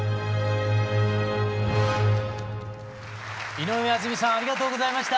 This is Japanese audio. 井上あずみさんありがとうございました。